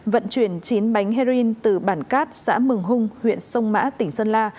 vận chuyển chín bánh heroin từ bản cát xã mường hung huyện sông mã tỉnh sơn la